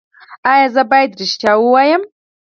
ایا زه باید ریښتیا ووایم؟